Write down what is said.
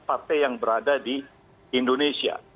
partai yang berada di indonesia